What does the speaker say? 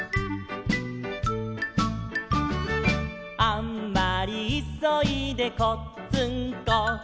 「あんまりいそいでこっつんこ」